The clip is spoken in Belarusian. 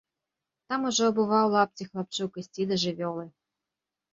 Там ужо абуваў лапці хлапчук ісці да жывёлы.